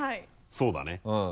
そうだね。